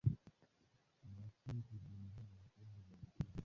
Ninawasihi kujizuia na vitendo vya uchokozi